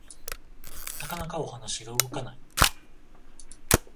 なかなかお話が動かない